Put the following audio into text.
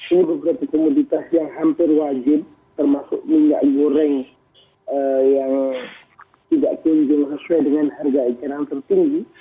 ini beberapa komoditas yang hampir wajib termasuk minyak goreng yang tidak kunjung sesuai dengan harga eceran tertinggi